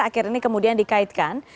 akhir ini kemudian dikaitkan